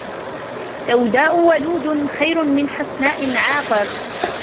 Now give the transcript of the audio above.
سَوْدَاءُ وَلُودٌ خَيْرٌ مِنْ حَسْنَاءَ عَاقِرٍ